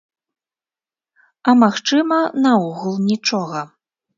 А магчыма, наогул нічога.